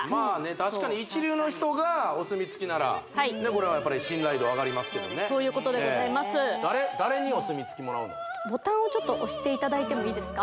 確かに一流の人がお墨付きならこれはやっぱり信頼度上がりますけどねそういうことでございますボタンをちょっと押していただいてもいいですか？